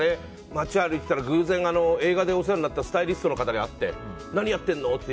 街を歩いていたら、偶然映画でお世話になったスタイリストの方に会って何やってるの？って。